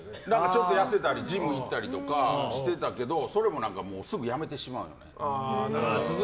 ちょっと痩せたりジム行ったりとかしてたけどそれもすぐやめてしまうのね。